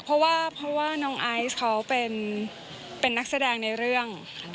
เพราะว่าน้องไอซ์เขาเป็นนักแสดงในเรื่อง